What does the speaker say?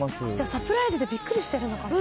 サプライズでびっくりしてるのかな。